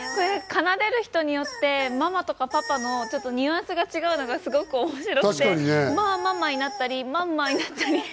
奏でる人によってママとかパパのニュアンスが違うのがすごく面白くて、ママになったり、マンマになったり。